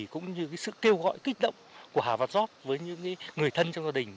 cũng như sự kêu gọi kích động của hà văn giót với những người thân trong gia đình